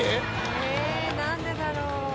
えぇ何でだろう。